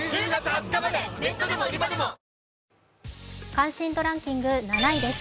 関心度ランキング７位です。